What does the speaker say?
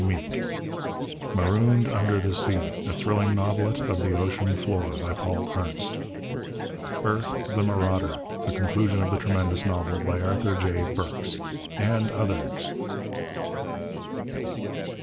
Meek MAROONED UNDER THE SEA A Thrilling Novelet of the Ocean Floor By Paul Ernst EARTH, THE MARAUDER The Conclusion of the Tremendous Novel By Arthur J. Burks _AND OTHERS!